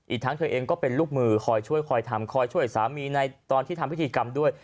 อีกทั้งเธอเองก็เป็นลูกมือคอยช่วยคอยทำคอยช่วยสามีในตอนที่ทำพิธีกรรมด้วย